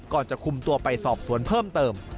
จะคุมตัวไปสอบสวนเพิ่มเติม